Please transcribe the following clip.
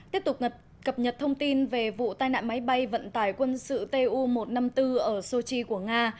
tiếp tục cập nhật thông tin về vụ tai nạn máy bay vận tải quân sự tu một trăm năm mươi bốn ở sochi của nga